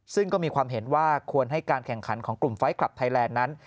ซึ่งก็มีความเห็นว่าควรให้การแข่งขันของกลุ่มไฟล์คลับไทยแลนด์นั้น